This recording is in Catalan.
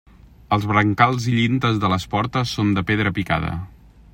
Els brancals i llindes de les portes són de pedra picada.